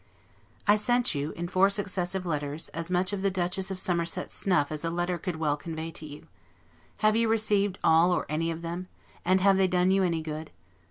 I sent you, in four successive letters, as much of the Duchess of Somerset's snuff as a letter could well convey to you. Have you received all or any of them? and have they done you any good?